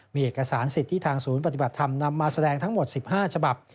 มีเอกสารสิทธิ์ที่ทางศูนย์ปฏิบัติธรรมนำมาแสดงทั้งหมด๑๕ฉบับ